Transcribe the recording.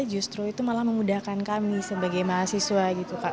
justru itu malah memudahkan kami sebagai mahasiswa gitu kak